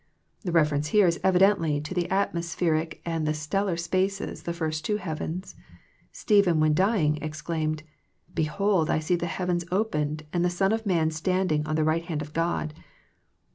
The reference here is evidently to the atmospheric and the stellar spaces, the two first heavens. Stephen when dy ing exclaimed, " Behold, I see the heavens opened, and the Son of Man standing on the right hand of God."